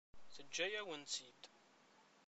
Teǧǧa-yawen-tt-id.